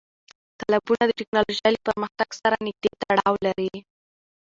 تالابونه د تکنالوژۍ له پرمختګ سره نږدې تړاو لري.